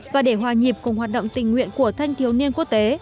và để hòa nhịp cùng hoạt động tình nguyện của thanh thiếu niên quốc tế